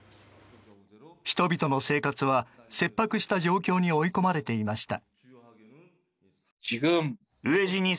人々の生活は切迫した状況に追い込まれていました。